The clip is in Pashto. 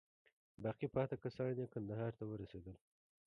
باقي پاته کسان یې کندهار ته ورسېدل.